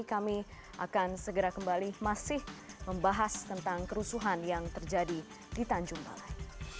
kami akan segera kembali masih membahas tentang kerusuhan yang terjadi di tanjung balai